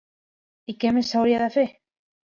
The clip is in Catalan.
I què més s'hauria de fer?